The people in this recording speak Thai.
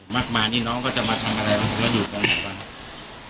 มากมายนี่น้องก็จะมาทำอะไรบ้างมาอยู่กันไหนบ้าง